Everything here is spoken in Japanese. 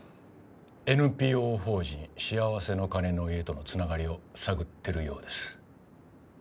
ＮＰＯ法人しあわせの鐘の家との繋がりを探ってるようです。